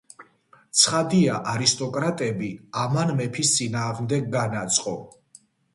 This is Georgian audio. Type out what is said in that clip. ცხადია არისტოკრატები ამან მეფის წინააღმდეგ განაწყო.